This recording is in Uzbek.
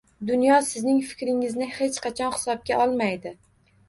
Dunyo sizning fikringizni hech qachon hisobga olmaydi